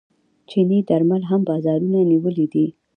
چیني درمل هم بازارونه نیولي دي.